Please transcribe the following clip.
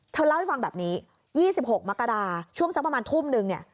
เล่าให้ฟังแบบนี้๒๖มกราช่วงสักประมาณทุ่มนึงเนี่ย